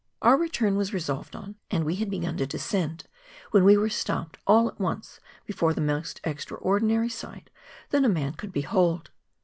Our return was resolved on, and we had begun MONT BLANC. 31 to descend, when we were stopped all at once before the most extraordinary sight that a man could behold.